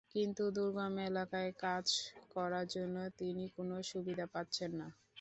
কিন্তু দুর্গম এলাকায় কাজ করার জন্য তিনি কোনো সুবিধা পাচ্ছেন না।